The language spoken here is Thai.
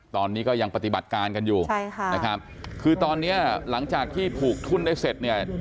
ตอนนี้ก็ยังปฏิบัติการกันอยู่ใช่ค่ะนะครับคือตอนเนี้ยหลังจากที่ผูกทุ่นได้เสร็จเนี่ย